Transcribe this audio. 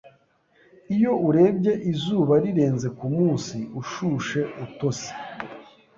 Iyo urebye izuba rirenze kumunsi ushushe, utose,